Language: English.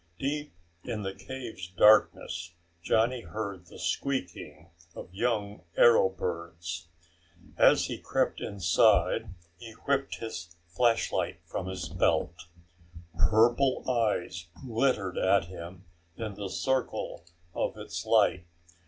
Deep in the cave's darkness Johnny heard the squeaking of young arrow birds. As he crept inside he whipped his flashlight from his belt. Purple eyes glittered at him in the circle of its light.